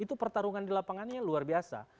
itu pertarungan di lapangannya luar biasa